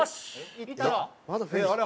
いったか？